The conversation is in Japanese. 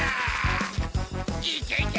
いけいけ！